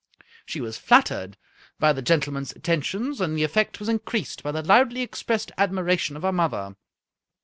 She was flattered by the gentleman's attentions, and the effect was increased by the loudly expressed admira tion of her mother.